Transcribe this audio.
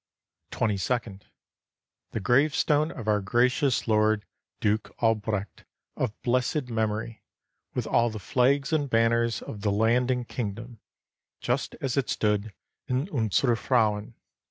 Twenty second The gravestone of our gracious lord, Duke Albrecht of blessed memory, with all the flags and banners of the land and kingdom, just as it stood in Unser Frauen.